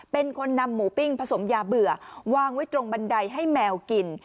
เป็นคนนำหมูปิ้งผสมยาเบื่อวางไว้ตรงบันไดให้แมวกิน